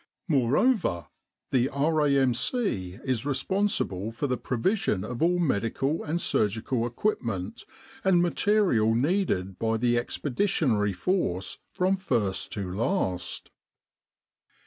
Moreover, the R.A.M.C. is re sponsible for the provision of all medical and surgical 73 With the R.A.M.C in Egypt equipment and material needed by the expeditionary force from first to last.